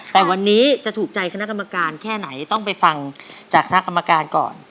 แต่วันนี้จะถูกใจคณะกรรมการแค่ไหนต้องไปฟังจากคณะกรรมการก่อน